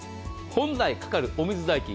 本来かかるお水代金